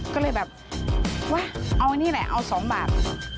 ก็เลยแบบวะเอานี่แหละเอา๒บาท